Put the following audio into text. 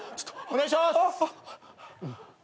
お願いします！